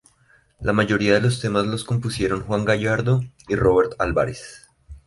La mayoría de los temas los compusieron Juan Gallardo y Robert Álvarez.